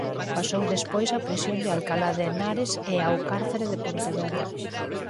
Pasou despois á prisión de Alcalá de Henares e ao cárcere de Pontevedra.